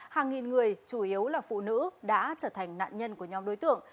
hàng nghìn người chủ yếu là phụ nữ đã trở thành nạn nhân của nhóm đối tượng